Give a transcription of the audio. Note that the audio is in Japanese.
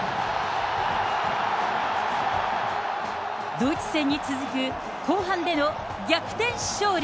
ドイツ戦に続く、後半での逆転勝利。